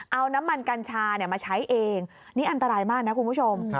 เอาน้ำมันกัญชามาใช้เองนี่อันตรายมากนะคุณผู้ชม